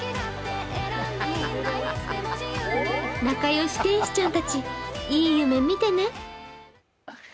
仲良し天使ちゃんたち、いい夢見てね。